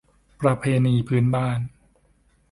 ประเพณีพื้นบ้าน